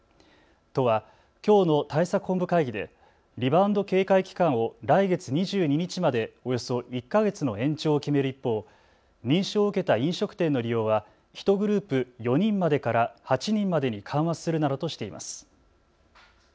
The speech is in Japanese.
都はきょうの対策本部会議でリバウンド警戒期間を来月２２日までおよそ１か月の延長を決める一方、認証を受けた飲食店の利用は１グループ４人までから８人までに緩和するなどとしています。